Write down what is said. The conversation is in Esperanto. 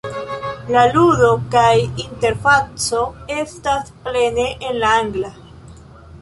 La ludo kaj interfaco estas plene en la Angla.